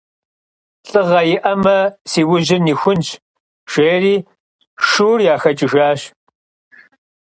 Lh'ığe yi'eme, si vujır nixunş, – jjêri şşur yaxeç'ıjjaş.